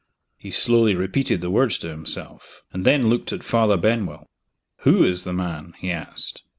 He slowly repeated the words to himself and then looked at Father Benwell. "Who is the man?" he asked.